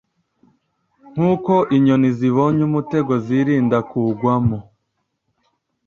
nk’uko inyoni zibonye umutego zirinda kuwugwamo